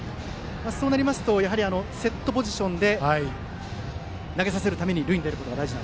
そうなると、やはりセットポジションで投げさせるために塁に出ることが大事だと。